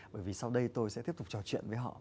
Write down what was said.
bởi vì sau đây tôi sẽ tiếp tục trò chuyện với họ